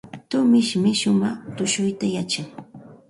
Tumishmi shumaq tushuyta yachan.